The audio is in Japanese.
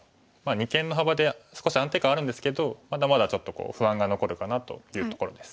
二間の幅で少し安定感あるんですけどまだまだちょっと不安が残るかなというところです。